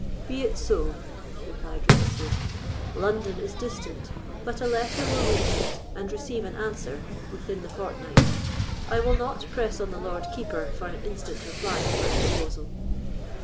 "Be it so," replied Ravenswood. "London is distant, but a letter will reach it and receive an answer within a fortnight; I will not press on the Lord Keeper for an instant reply to my proposal."